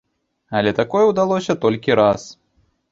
Але такое ўдалося толькі раз.